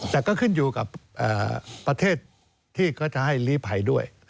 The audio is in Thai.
แต่ก็ขึ้นอยู่กับประเทศที่ก็จะให้ลีภัยด้วย